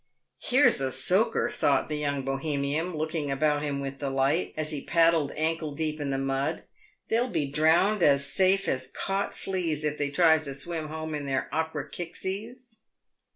" Here's a soaker !" thought the young Bohemian, looking about him with delight, as he paddled ankle deep in the mud ;" they'll be drowned as safe as caught fleas if they tries to swim home in their Opera kicksies."